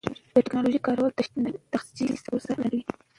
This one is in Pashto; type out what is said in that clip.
د ټېکنالوژۍ کارول د تشخیص پروسه لنډوي.